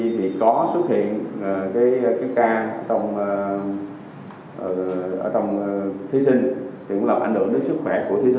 thì có xuất hiện cái ca trong thí sinh thì cũng làm ảnh hưởng đến sức khỏe